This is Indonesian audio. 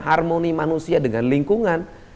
harmoni manusia dengan lingkungan